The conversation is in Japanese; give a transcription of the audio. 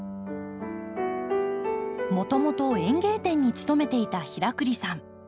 もともと園芸店に勤めていた平栗さん。